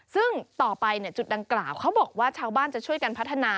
ซึ่งต่อไปจุดดังกล่าวเขาบอกว่าชาวบ้านจะช่วยกันพัฒนา